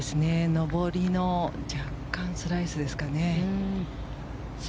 上りの若干スライスですかね。